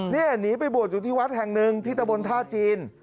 นี่หนีไปบวชอยู่ที่วัดแห่งหนึ่งที่ตะบนท่าจีน